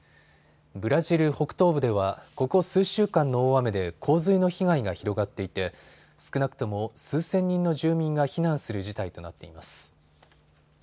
ブラジル北東部ではここ数週間の大雨で洪水の被害が広がっていて少なくとも数千人の住民が避難する事態となっています。